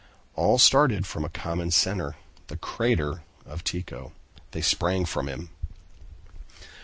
All started from a common center, the crater of Tycho. They sprang from him.